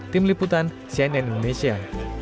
tim liputan cnn indonesia